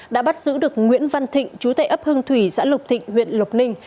đã bắt giữ được nguyễn văn thịnh chú tệ ấp hưng thủy xã lộc thịnh huyện lộc ninh